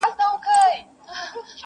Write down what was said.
په لړزه يې سوه لكۍ او اندامونه٫